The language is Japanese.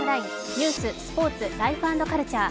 ニュース、スポーツ、「ライフ＆カルチャー」。